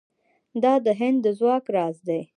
دا د هند د ځواک راز دی.